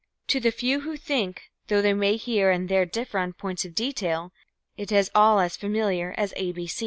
To the few who think, though they may here and there differ on points of detail, it is all as familiar as A.